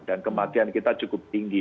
dan kematian kita cukup tinggi